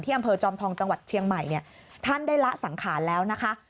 อำเภอจอมทองจังหวัดเชียงใหม่เนี่ยท่านได้ละสังขารแล้วนะคะ